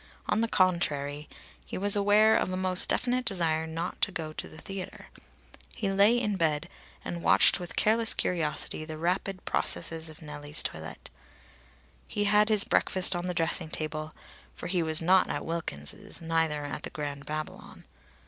On the contrary, he was aware of a most definite desire not to go to the theatre. He lay in bed and watched with careless curiosity the rapid processes of Nellie's toilette. He had his breakfast on the dressing table (for he was not at Wilkins's, neither at the Grand Babylon).